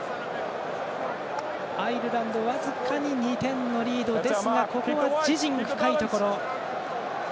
アイルランド僅かに２点のリードですが、ここは自陣深いところ。